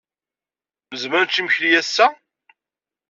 Nezmer ad nečč imekli ass-a?